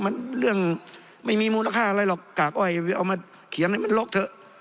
มันเรื่องไม่มีมูลค่าอะไรหรอกกากอ้อยเอามาเขียนให้มันล็อกเถอะ